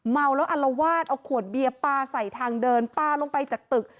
เมาแล้วอัลวาดเอาขวดเบียร์ปลาใส่ทางเดินปลาลงไปจากตึก